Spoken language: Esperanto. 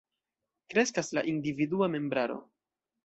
Kreskas la individua membraro.